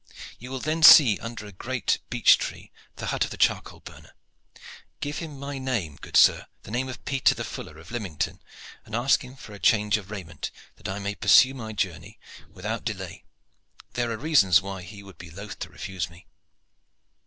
You will then see under a great beech tree the hut of a charcoal burner. Give him my name, good sir, the name of Peter the fuller, of Lymington, and ask him for a change of raiment, that I may pursue my journey without delay. There are reasons why he would be loth to refuse me."